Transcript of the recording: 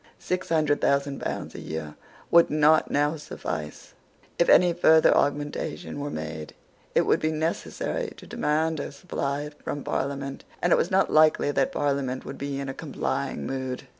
Six hundred thousand pounds a year would not now suffice. If any further augmentation were made, it would be necessary to demand a supply from Parliament; and it was not likely that Parliament would be in a complying mood.